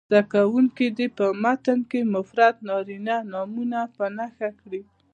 زده کوونکي دې په متن کې مفرد نارینه نومونه په نښه کړي.